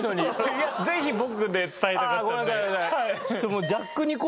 いやぜひ僕で伝えたかったので。